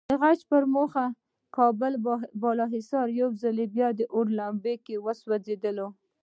د غچ په موخه کابل بالاحصار یو ځل بیا د اور لمبو کې سوځېدلی.